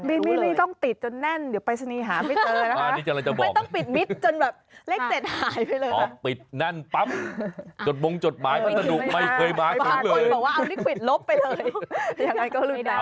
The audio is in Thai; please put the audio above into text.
พี่บางคนบอกว่าเอานี่ผิดลบไปเลยแต่ยังไงก็ลุดได้เอาแค่บางคอเสร็จเลยค่ะ